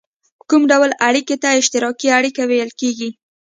کوم ډول اړیکې ته اشتراکي اړیکه ویل کیږي؟